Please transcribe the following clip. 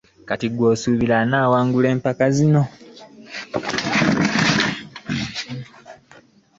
Kati gwe osuubira onawangula empaka zino.